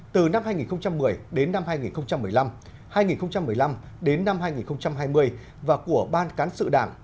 từ năm hai nghìn một mươi đến năm hai nghìn một mươi năm hai nghìn một mươi năm đến năm hai nghìn hai mươi và của ban cán sự đảng